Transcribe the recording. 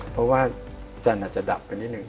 เพราะว่าจันทร์อาจจะดับไปนิดนึ